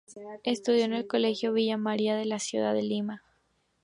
Estudió en el Colegio Villa María de la Ciudad de Lima.